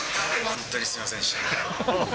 本当にすみませんでした。